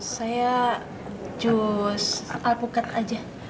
saya jus alpukat aja